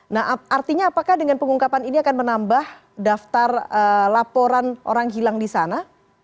nah artinya apakah dengan pengungkapan ini akan menambah daftar laporan orang hilang di sana